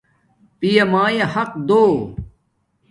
پیابایے حق دو